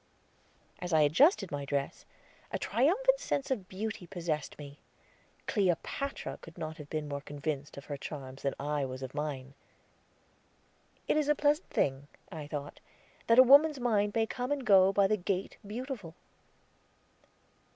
As I adjusted my dress, a triumphant sense of beauty possessed me; Cleopatra could not have been more convinced of her charms than I was of mine. "It is a pleasant thing," I thought, "that a woman's mind may come and go by the gate Beautiful."